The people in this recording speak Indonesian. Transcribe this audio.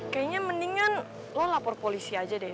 kayaknya mendingan lo lapor polisi aja deh